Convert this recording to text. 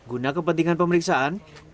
guna kepentingan pemeriksaan